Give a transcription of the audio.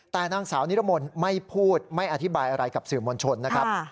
แต่นางสาวนิรมนต์ไม่พูดไม่อธิบายอะไรกับสื่อมวลชนนะครับ